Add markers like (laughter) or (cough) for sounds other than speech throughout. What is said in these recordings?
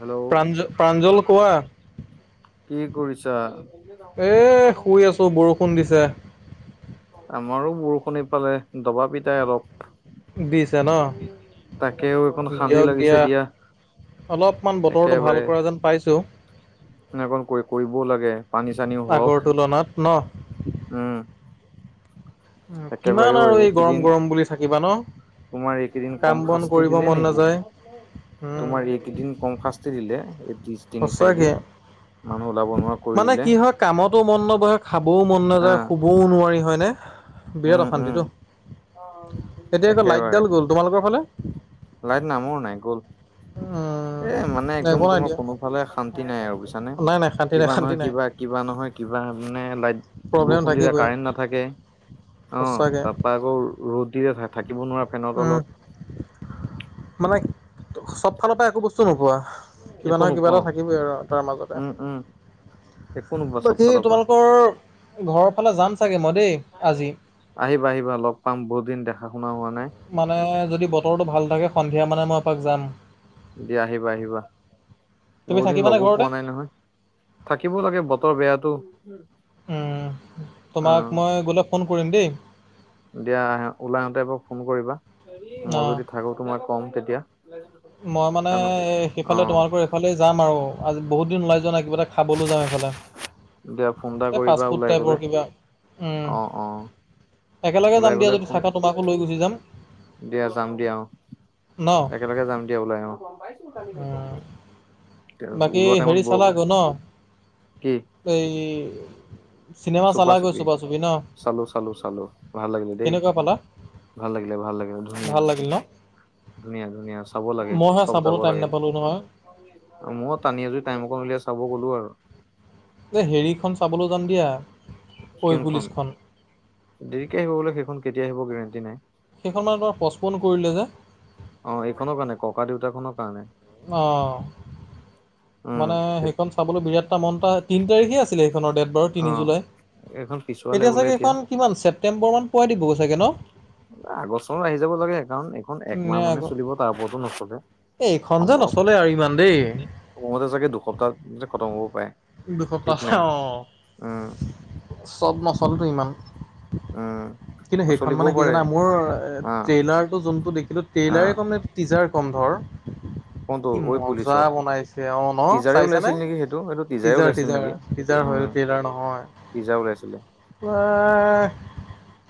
Hello প্ৰাঞ্জ, প্ৰাঞ্জল কোৱা। কি কৰিছা। এ শুই আছো বৰষুণ দিছে। আমাৰো বৰষুণ এইফালে দবা পিটা অলপ। দিছে ন তাকেও অকণ শান্তি লাগিছে দিয়া। অলপমান বতৰটো ভাল কৰা যেন পাইছো। সনেকৈ পৰিবও লাগে পানী চানীও আগৰ হওক, তুলনাত ন উম, একেবাৰে কিমান আৰু এই এইকেইদিন গৰম-গৰম বুলি থাকিবা ন। তোমাৰ এইকেইদিন কাম কম বন শাস্তি কৰিব দিলে মন নেকি। নাযায় উম তোমাৰ এইকেইদিন কম শাস্তি দিলে এই তিনি সঁচাকে চাৰিদিন। মানে কি হয় কামতো মন নবহে খাবও মন নাযায় আহ শুবও নোৱাৰি হয়। বিৰাট উম উম অশান্তিতো এতিয়া আৌ একেবাৰে লাইটডাল গ'ল তোমালোকৰ ফালে লাইট নামৰ নাই গ'ল এ মানে উম, একদম একো নাই তোমাৰ দিয়া কোনো ইফালে শান্তি নাই আৰু বুজছাানে নাই নাই শান্তি নাই কিবা শান্তি নহয় নাই কিবা কিবা নহয় কিবা মানে লাইট প্ৰব্লেম বৰষুণ দিলে থাকিবই কাৰেন্ট নাথাকে অ সঁচাকে তাৰপৰা আকৌ ৰ'দ দিলে থাকিব নোৱাৰা ফেনৰ উম তলত মানে চব ফালৰ পৰা একো বস্তু নোপোৱা কিবা একো নহয় কিবা নোপাও এটা থাকিবি আৰু তাৰ মাজতে এক না বাকী চফা চফা তোমালোকৰ ঘৰৰ ফালে যাম চাগে মই দেই আজি আহিবা আহিবা লগ পাম বহুত দিন দেখা শুনা হোৱা নাই মানে যদি বতৰটো ভাল থাকে সন্ধিয়া মানে মই আপাক যাম দিয়া আহিবা আহিবা তুমি বহু দিন থাকিবানে লগো ঘৰতে পোৱা নাই নহয় থাকিব লাগে ৰ বেয়াাতটো উম তোমাক মই গলে ফোন কৰিম দেই দিয়া আহ ওলাই আহতে এবৌ ফোন কৰিবা মই অঁ যদি থাকো তো মই কম তেতিয়া মই মানে কাৰণ এ অ সেইফালে তোমালোকৰ এইফালে যাম আৰু আজি বহুত দিন ওলাই যোৱা নাই কিবা এটা খাবলৈ যাওঁ এইফালে দিয়া ফোন এটা এই কৰিবা ফাষ্টফুড ওলাই গলে টাইপৰ কিবা অ অ একেলগে ওলাই যাম গলে দিয়া যদি ফোন চখা তোমাকো লৈ গুচি যাম দিয়া যাম দিয়া অ ন একেলগে যাম দিয়া ওলাই আহ উম, বাকী হেৰি চালা গ ন কি এই চিনেমা চুপা চালাগৈ চুপি ন চালো চালো চালো ভাল লাগিলে দেই কেনেকুৱা পালা ভাল লাগিলে ভাল লাগিলে ধুনীয়া ভাল লাগিল ন ধুনীয়া ধুনীয়া চাব মই হে চব যাব চাবলৈ টাইম লাগে নাপালোঁ নহয় মই টানি এজৰি টাইম অক উলিয়াই চাব গলো আৰু এ হেৰিখন চাবলৈ যাম দিয়া ঐ কোনখন পুলিচখন দেৰিকে আহিব বোলে সেইখন কেতিয়া আহিব গেৰেণ্টি নাই সেইখনমান তমাৰ পষ্টপন কৰিলে যে অ এইখনৰ কাৰণে ককা দেউতা খনৰ কাৰণে আহঁ উম মানে সেইখন চাবলৈ বিৰাট তামনটা তিনি তাৰিখে আছিলে সেইখনৰ ডেট বাৰু অ তিনি জুলাই। এইখন পিছুৱালে এতিয়া বোলে চাগে এইখন কিমান ছেপটেম্বৰ মান পোৱাই দিবগৈ চাগে ন? আগষ্ট চনত আহি যাব লাগে। কাৰণ এইখন নে একমাহ আকৌ মানে চলিব তাৰ ওপৰতো নচলে। এইখন যে সম্ভৱ নচলে আৰু ইমান দেই। মোৰ মতে চাগে দুসপ্তাহ খতম হ'ব পাৰে ঠিক দুসপ্তাহ নাই। অঁ উম। চব মচলেটো ইমান। উম। কিন্তু সেইখন নচলিবও মানে কি পাৰে। জানা মোৰ অ', ট্ৰেইলাৰটো যোনটো দেখিলো ট্ৰেইলাৰে অ', কমে টিজাৰ কম ধৰ কোনটো কি ঐ মজা পুলিচৰ বনাইছে। অ', টিজাৰে চাইছা নে? ওলাইছিল নেকি সেইটো এইটো টিজাৰে টিজাৰ ওলাইছিল নেকি? টিজাৰি টিজাৰ হয় উম, টেইলৰ নহয়। টিজাৰ ওলাইছিলে। ওৱাহ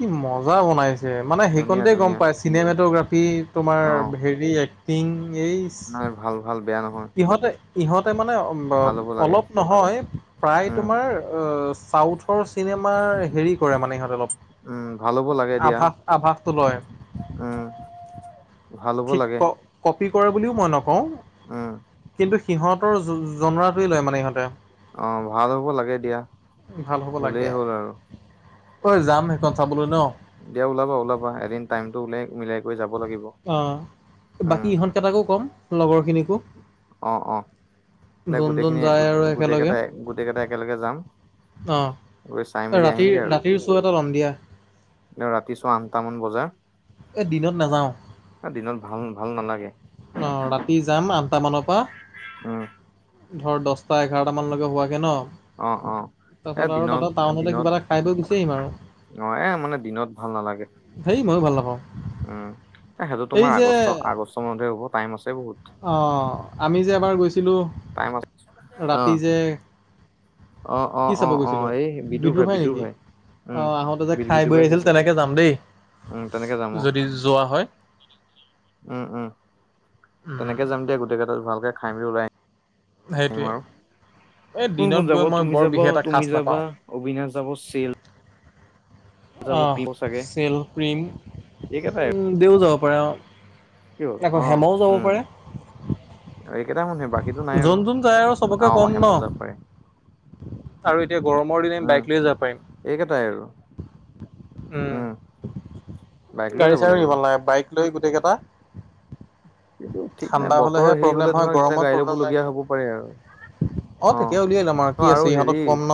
কি মজা বনাইছে মানে ধুনীয়া সেইকণতে গম ধুনীয়া পাই চিনেমটোগ্ৰাফ ফী তোমাৰ অ', হেৰি এক্টিং এইচ। নাই ভাল ভাল বেয়া নহয়। সিহঁতে ইহঁতে মানে ভাল হ'ব লাগে অলপ নহয় প্ৰায় উম, তোমাৰ চাউথৰ চিনেমাৰ হেৰি কৰে মানে ইহঁতে অলপ। উম, ভাল হ'ব লাগে দিয়া আভাস আভাসটো লয় উম। ভাল হ'ব ঠিক লাগে। ক কপি কৰে বুলিও মই নকওঁ। উম। কিন্তু সিহঁতৰ জ-জনোৱাটোৱে লয় মানে ইহঁতে। অ', ভাল হ'ব লাগে দিয়া। ভাল হ'ব হ'লেই লাগে। হ'ল আৰু। ঐ যাম সেইখন চাব দিয়া ওলাবা ওলাবা এদিন টাইমটো ওলাই মিলাই কৰি যাব লাগিব অ', উম, বাকী ইহঁতকেইটাকো ক'ম লগৰখিনিকো। অ', অ', এ যোন গোটেইখিনি যায় আৰু গোটেই একেলগে কেইটাই গোটেই কেইটাই একেলগে যাম। গৈ চাই অ', মেলি আহিমগে ৰাতিৰ আৰু। ৰাতিৰ চৌ এটা ল'ম দিয়া। ৰাতি চৌ আঠটা মান বজাৰ। এই দিনত নাযাওঁ দিনত ভাল ভাল নালাগে। অ ৰাতি যাম আঠটা মানৰ পৰা উম। ধৰ দহটা এঘাৰটামানলৈকে হোৱাকৈ ন। অ অ তাৰ এ পাছত আৰু দিনত তাতে টাউনতে দিনত কিবা এটা খাই বৈ গুচি আহিম আৰু। অ', এ মানে দিনত ভাল নালাগে। হেই ময়ো ভাল নাপাওঁ। উম। এ সেইটো এই তোমাৰ যে আগষ্ট আগষ্টৰ মানহে হ'ব টাইম আছে বহুত। কিন্তু টাইম আছে অ ৰাতি যে অ অ কি অ চাব অ গৈছিলা এই বিদুৰ ভাই বিদ্ৰোৰভাই বিদুৰ নেকি? ভাই উম অ', আহোতে যে বি খাই বিদুৰ ভাই বৈ আছিল চাইছিলো তেনেকে যাম দেই। উম তেনেকে যাম অ যদি যোৱা হয়। উম, উম উম তেনেকে যাম দিয়া গোটেই কেইটাত ভালকে খাই মেলি ওলাই আহিম। আৰু সেইটোৱেই। এই কোন কোন দিনত যাব গৈ মই তুমি বৰ যাব বিশেষ এটা তুমি খাচ যাবা নাপাওঁ। অবিনাশ যাব চেল যাব প্ৰিয় অহ চাগে (unintelligible) যাব এইকেইটাই পাৰে অ'। কি হ'ল আকৌ অ হেমৌও যাব উম পাৰে। এইকেইটা মানুহে বাকীটো নাই আৰু যোন যোন যায় আৰু চবকে অ অ কম ন হেমুজা পাৰে আৰু এতিয়া গৰমৰ দিনে আমি উম বাইক লৈ যাব পাৰিম। এইকেইটাই আৰু উম বাইক লৈ গাড়ী যাব চাৰীও লাগিব নিব নালাগে বাইক লৈ গোটেই কেইটা। কিন্তু ঠিক নাই ঠাণ্ডা বতৰ হ'লেহে হেৰি প্ৰব্লেম হ'লে হয় ধৰা তেতিয়া গৰমত গাড়ী প্ৰব্লেম নাই ল'বলগীয়া হ'ব পাৰে আৰু অ তেতিয়া উলিয়াই ল'ম কি অ আৰু আছে ইহঁতক হেৰি ক'ম ন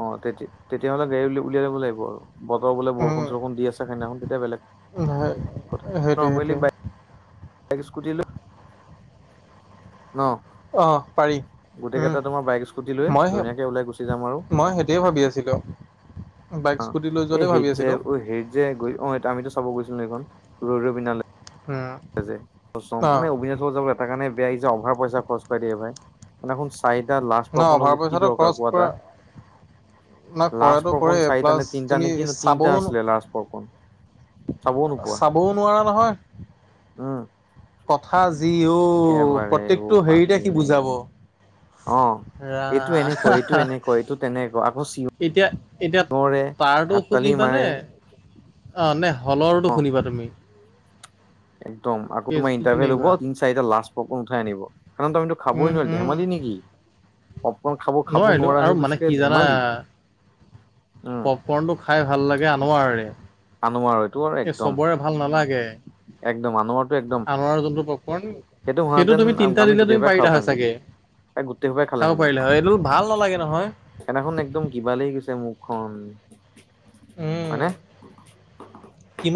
অ', তেতিয়া তেতিয়াহ'লে গাড়ী উলিয়াই ল'ব লাগিব আৰু। বতৰ বো উম বৰষুণৰুণ দি আছে, সানদিনাখন তেতিয়া বেলেগ কথা ন, সেইটোৱে মলি সেইটোৱে বাই একগ স্কুটিলো ন। আহ, পাৰি। গোটেই কেইটা তোমাৰ বাইক স্কুটি লৈ মই, সেই, ধুনীয়াকে ওলাই গুচি যাম আৰু মই সেইটোৱে ভাবি আছিলোঁ। বাইক অ, স্কুটি লৈ এই যোৱাতে সেত ভাবি যে, আছিলোঁ অ, সেৰি যে অ, আমিতো চাব গৈছিলো, এইখন ৰৈ, ৰ পিনা লৈ উম, অঁ মানে অভিনে এটা কাৰণে বেয়া অভাৰ পইচা খৰচ কৰা দিয়েই ভাই। চাৰিটা ন লাষ্টপোন অভাৰ বোলো কি পইচাটো দৰকাৰ খৰচ কোৱা কৰা এটা। না লাষ্ট কৰাটো প্ৰকণ কৰে চাৰিটা প্লাছ নে, তিনিটা তুমি নেকি, চাবও তিনিটা আছিলে লাষ্ট প্ৰকণ। চাবও নোৱাৰা নহয়। উম কথা যি অ, একেবাৰে অ প্ৰত্যয়েকটো হেৰিতে বাপৰে কি বুজাব। অ। ৰা, এইটো এনেকুৱা এইটো এনেকুৱা এইটো তেনেকুৱা আকৌ এতিয়া এতিয়া চিঞৰে তাৰতো হাততালি শুনিবা নে, মাৰে। অ, নে, হলৰটো অ শুনিবা তুমি। একদম আকৌ তোমাৰ কেচটো ইটাৰভিউ দিব তেনেকুৱা তি, চাৰিটা লাষ্ট পক উঠাই আনিব, কাৰণ ত, আমিতো খাবই উম নোৱাৰো, উম ধেমালি নেকি। পপকণ খাব, খাব নোৱাৰিলোঁ নোৱাৰা আৰু হৈ গৈছ মানে কে, কি জানা ধেমালি উম পপকৰ্ণটো খাই ভাল লাগে, আনোৰে আনোৱাৰ এইটো আৰু এ, একদম। চবৰে ভাল নালাগে। একদম আনমাৰটো একদম আনৰ যোনটো পপকৰ্ণ সেইটো হহেতেন তুমি তিনিটা আমি দিলে তুমি গোটেইেইাই পাৰিলা খাব হয় পাৰিহেঁতেন। চাগে ত, গোটেই সপাই খাব খালেহেঁতেন, পাৰিলা হয় এইটো ভাল নালাগে নহয় সনাখনোন একদম কিবা লাগি গৈছে। মুখখন, মানে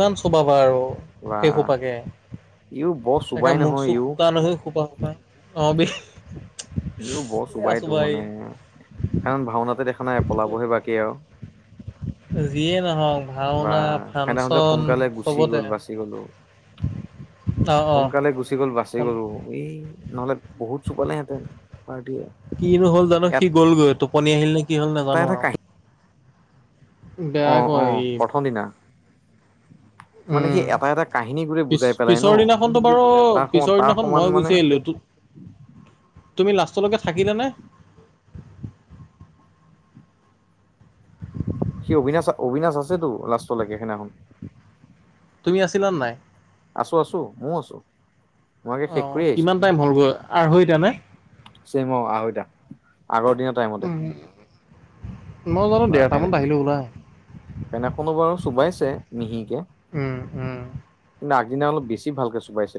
ইমান চবাবা আৰু বা সেই সোপাকে ইও বৰ তাকে চোবাই মুখ, নহয় চোখ ইও শোকান হয়, সোপা অ, বে ইউ, বৰ চোবাইতো মানে, কাৰণ ভাওনাতে দেখা নাই, পলাবহে বাকী আৰু। যিয়ে নহক বা সেইদিনাখন যে, সোনকালে গুচি চবতে গল, বাচি গলো। অ অ সোনকালে গুচি গ'ল, বাচি গ'লো এই নহলে বহুত চোবালেহেঁতেন। পাৰ্টিয়ে কিনো হ'ল জানো সি গ'লগৈ, টোপনি আহিল নে, কি হ'ল এটা নাজানো এটা আৰু। কাহিনী অ অ বেয়াকৈ সি প্ৰথম দিনা (inaudible) মানে উম, সি এটা এটা কাহিনী গোটেই পিছ, বুজাই পেলাই ন পিছৰ দিনাখনতো বাৰু তাৰ সমান পিছৰ তাৰ দিনাখন সমান মই মানে গুচি আহিলো। তুমি লাষ্টলৈকে থাকিলানে। সি অবিনাশ অবিনাশ আছেতো লাষ্টলৈকে সেইদিনাখন। তুমি আছিলা নাই আছোঁ, আছোঁ, ময়ো আছোঁ। অ, কিমান টাইম হ'লগৈ আঢ়ৈটা নে। অ, ছেম অ, আঢ়ৈটা আগৰ দিনৰ টাইমতে উম। মই জানো বা সেনে, ডেৰটামানত আহিলো ওলাই। সেনে কোনোবাৰ চোবাইছে মিহিকে। উম উম। কিন্তু আগদিনা অলপ বেছি ভালকে চোবাইছে।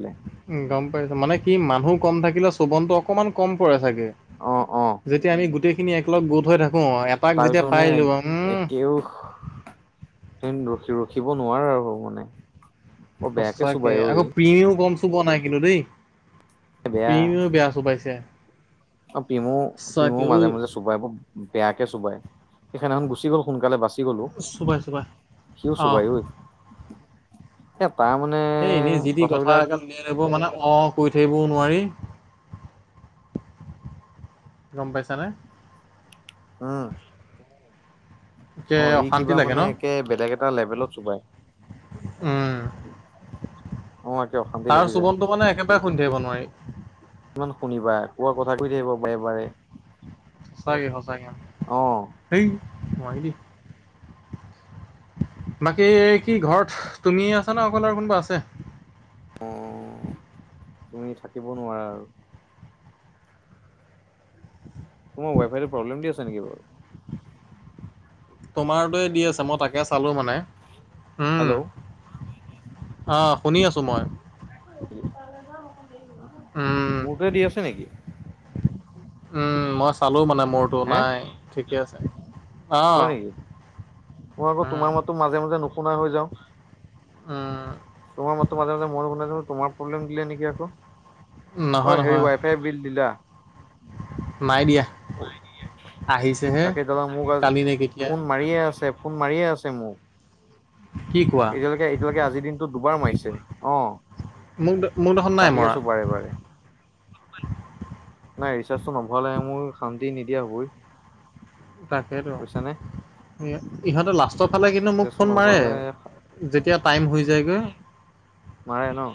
উম, গম পাইছো মানে কি মানুহ কম থাকিলে, চবনতটো অকমান কম পৰে চাগে। অ অ যেতিয়া আমি গোটেইখিনি এককলগ গোট হৈ থাকো। এটাক যেতিয়া তাৰপিছত পাই মানে দিলো উম একেও ৰখি, ৰখিব ন নোৱাৰ আৰু মানে। বৰ বেয়াকে সঁচাকে চোবাই অ আকৌ ই পিও কম চোবনাই কিন্তু দেই। বেয়া পিও বেয়া চোবাইছে। অ, পিমু, পিমু সঁচাকে ঐ মাজে, মাজে চোবাই ব, বেয়াকে চোবাই। সেইখনাখন গুচি গ'ল, সোনকালে বাচি গলো, চোবাই চোবাই সিও অঁ। চোবাই ঐ। (inaudible) সেই এনেই যি, তি কথা কথাবিলাক এগাল শুনি থাকিব মন নাই। অ, কৈ থাকিবও নোৱাৰি। গম পাইছানে। উম। একে অ' এই অশান্তি কিবা লাগে মানে ন? একে বেলেগ এটা লেভেলত চোবাই। উম। অ একে অশান্তি তাৰ লাগি যায় চোবনটো মানে একেবাৰে শুনি থাকিব নোৱাৰি। ইমান শুনিবা কোৱা কথা কৈ থাকিব বাৰে বাৰে। সঁচাকে সঁচাকে অ সেই নোৱাৰি দেই। বাকী কি ঘৰত তুমিয়ে আছা নে অকল আৰু কোনোবা আছে? অ তুমি থাকিব নোৱাৰা আৰু। তোমাৰ ৱাইফাইটো প্ৰব্লেম দি আছে নেকি বাৰু। তোমাৰটোয়ে হেল্ল' দি আছে মই তাকে চালো মানে। হেল্ল'। অ' শুনি আছো মই। উম মোৰটোৱে দি আছে নেকি? উম' মই চালো মানে মোৰটো হে নাই ঠিকে আছে। হয় অঁ নেকি মই আকৌ উম তোমাৰ মাতটো মাজে মাজে নুশুনা হৈ যাও। উম তোমাৰ মাতটো মাজে মাজে মই নুশুনিছো তোমাৰ প্ৰব্লেম দিলে নেকি আকৌ। নহয় অ' হেৰি নহয় ৱাইফাই বিল দিলা। নাই দিয়া। আহিছেহে তাকেই দাদা মোক আজি কালি নে কেতিয়া ফোন মাৰিয়ে আছে। ফোন মাৰিয়ে আছে মোক। কি কোৱা এতিয়ালৈকে এতিয়ালৈকে আজিৰ দিনটো দুবাৰ মাৰিছে অ'। মোক মোক দেখোন নাই কাটি মৰা আছো বাৰে বাৰে। নাই ৰিচাৰ্জটো নভৰালে মোৰ শান্তি নিদিয়া হ'বই। তাকেইেতো বুজিছানে ইহঁতে লাষ্টৰ ফালে কিন্তু মোক ৰিচাৰ্জটো ফোন মাৰে। নভৰালে যেতিয়া টাইম হৈ যায়গৈ। মাৰে ন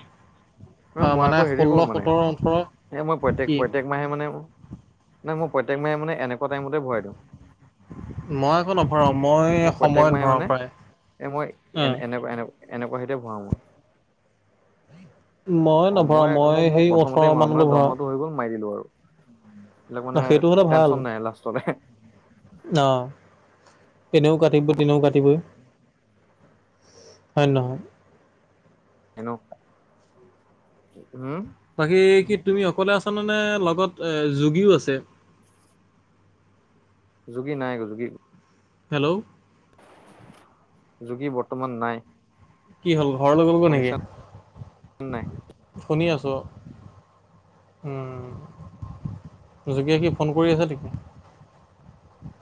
ম অ' মই মানে আকৌ হেৰি ষোল্ল কৰো মানে সোতৰ ওঠৰ এ মই প্ৰত্যয়েক কি প্ৰত্যেক মাহে মানে মই প্ৰত্যেক মাহে মানে এনেকুৱা টাইমতে ভৰাই দিওঁ। মই আকৌ নভৰাও মই মোৰ প্ৰত্যেক সময়ত মাহে ভৰাও মানে প্ৰায়। এ মই অ'। এ এনেকুৱা এনে এনেকুৱা হেইতে ভৰাও মই। মই অ' নভৰাও মই মোক মই সেই ওঠৰ প্ৰথমতে মাৰো মানলৈ মানে ভৰাও দৰমহাটো হৈ গ'ল মাৰি দিলো আৰু। এইবিলাক মানে টেনচন নাই লাষ্টলে। অহ তেনেও কাটিবই তেনেও কাটিবই। হয়নে নহয়? (unintelligible) উম'। বাকী কি তুমি অকলে আছানে নে লগত এ যোগীও আছে। (inaudible) যোগি নাই যোগি হেল্ল'। যোগী বৰ্তমান নাই। কি হ'ল ঘৰলৈ গ'লগৈ নেকি? শুনিছা নাই শুনি আছো। উম। যোগে কি ফোন কৰি আছে নেকি?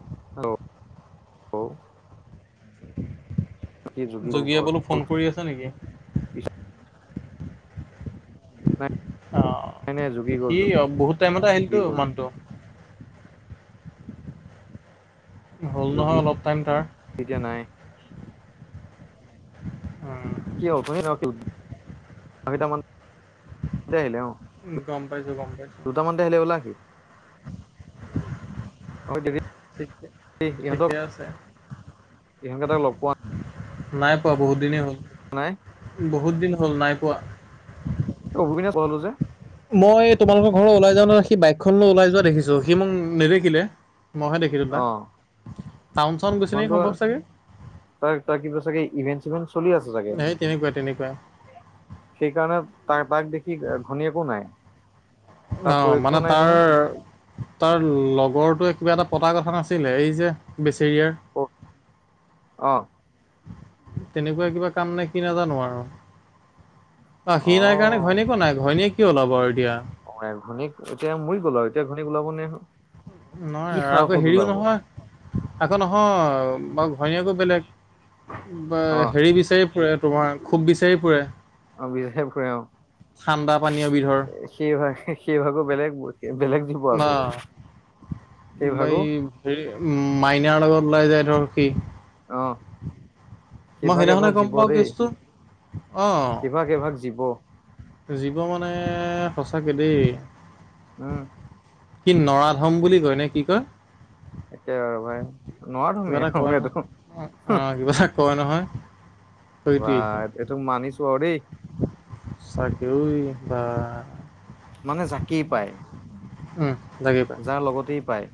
(unintelligible) কি যোগী গ'ল যোগিয়ে ঘৰ বোলো ফোন কৰি আছে নেকি? অ'। ন নাই যোগি সি গ'ল। বহুত টাইমতে আহিলতো মানুহটো হ'ল যোগী নহয় অলপ টাইম তাৰ। এতিয়া নাই উম, (unintelligible) আহিলে অ'। গম পাই দুটামানতে আহিলে বোলা সি। অ' ডিগিত, ঠিকে ইহঁতক ঠিকে আছে ইহঁকে তাক লগ পোৱা নাই পোৱা বহুত দিনেই হ'ল। নাই বহুত দিন হ'ল নাই পোৱা। অবিনে যলো যে। মই তোমালোকৰ ঘৰলৈ ওলাই যাওঁতে সি বাইকখন লৈ ওলাই যোৱা দেখিছোঁ, সি মোক নেদেখিলে। মইহে দেখিলোঁ অ তাক। টাউন চাউন গৈছে নেকি সম্ভৱ চাগে। তই তই কিবা চাগে ইভেণ্ট চলি আছে ছাগে। সেই তেনেকুৱাই তেনেকুৱাই সেইকাৰণে তাৰ পাক দেখি ঘৈণীয়েকো নাই। তাৰ অ' প্ৰয়োগটো মানে নাই তাৰ, নহয় তাৰ লগৰটো এক কিবা এটা পতা কথা নাছিলে, এই যে বেছি অ', অ'। তেনেকুৱা কিবা কাম নে কি নাজানো আৰু। অ' সি নাই কাৰণে ঘৈণীয়েকো নাই। ঘৈনীয়েক কিয় ওলাব আৰু এতিয়া? অ' ঘনীয়েক এতিয়া মৰি গ'ল, এতিয়া ঘনীক ওলাব নে নহয়, কি আকৌ সাহসত হেৰিও ওলাব নহয় আকৌ নহয়, মই ঘণীয়েকো বেলেগ, অ হেৰি বিচাৰি ফুৰে তোমাৰ, খুব বিচাৰি ফুৰে। অ' বিচাৰি ফুৰে অ'। ঠাণ্ডা পানীয় বিধৰ সি আকৌ বেলেগ বেলেগ দিব আকৌ অ'। সেই বাই ভাগো হেৰি উ, মাইনাৰ লগত ওলাই যায় ধৰ সি। অ মই কেইভাগ এভাগ সেইদিনাখনহে গম জীৱ পাওঁ দেই কেছটো। অ'। কেইভাগ এভাগ জীৱ জীৱ মানে সঁচাকে দেই। উম। কি নৰাধম বুলি কয় নে কি কয়? একেবাৰে ভাই নোৱাৰা তুমি কিবা এটা আৰু কয় এইটো নহয়। অ' কিবা এটা কয় নহয়। বাহ, এইটোক মানিছোঁ আৰু দেই। চাকৰি বা। মানে জাকেই পায়। উম। লাগে পাই যাৰ লগতেই পায়।